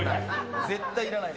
絶対いらない。